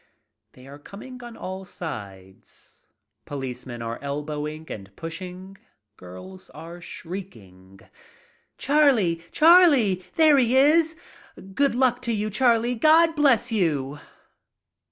They are coming on all sides. Policemen are elbowing and pushing. Girls are shrieking. "Charlie! Charlie! There he is! Good luck to you, Charlie. God bless you."